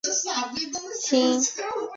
清初传至民间。